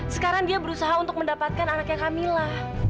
sekarang dia berusaha untuk mendapatkan anaknya kamila